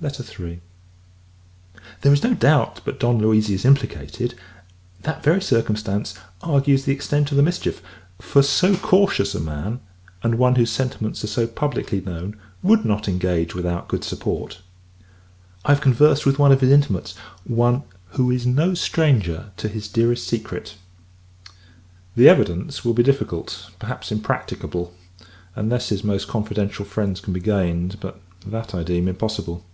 III. There is no doubt but Don Luizi is implicated: that very circumstance, argues the extent of the mischief; for so cautious a man, and one whose sentiments are so publicly known, would not engage without good support. I have conversed with one of his intimates one "who is no stranger to his dearest secret." The evidence will be difficult; perhaps, impracticable: unless his most confidential friends can be gained; and that, I deem, impossible.